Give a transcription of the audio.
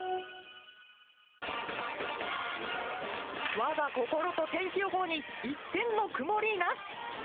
わが心と天気予報に一点の曇りなし。